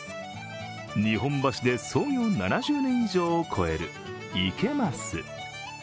日本橋で創業７０年以上を超えるいけ増。